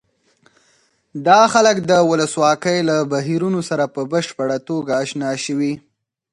دا خلک د ولسواکۍ له بهیرونو سره په بشپړه توګه اشنا شوي.